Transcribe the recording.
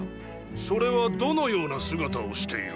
それはどのような姿をしている？